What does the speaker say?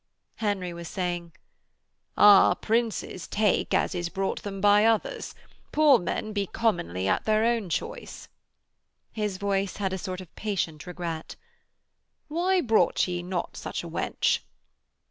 Henry was saying: 'Ah, Princes take as is brought them by others. Poor men be commonly at their own choice.' His voice had a sort of patient regret. 'Why brought ye not such a wench?'